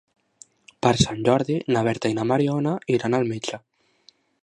Per Sant Jordi na Berta i na Mariona iran al metge.